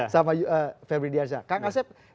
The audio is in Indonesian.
sama ferdinand diasa kak kasep